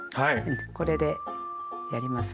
これでやりますね。